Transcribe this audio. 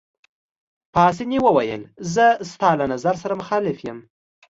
پاسیني وویل: زه ستا له نظر سره مخالف یم.